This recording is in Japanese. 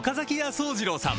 惣次郎さん